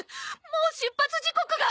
もう出発時刻が。